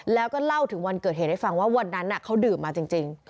แล้วก็เล่าถึงวันเกิดเหตุให้ฟังว่าวันนั้นเขาดื่มมาจริง